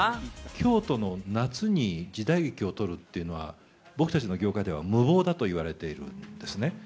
京都の夏に時代劇を撮るっていうのは、僕たちの業界では無謀だといわれているんですね。